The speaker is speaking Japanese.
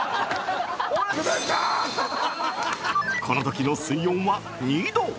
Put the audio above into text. この時の水温は２度。